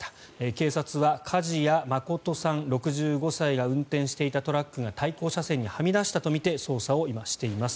警察は梶谷誠さん、６５歳が運転していたトラックが対向車線にはみ出したとみて捜査を今しています。